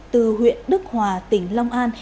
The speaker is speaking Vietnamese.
từ huyện đức hòa tỉnh long an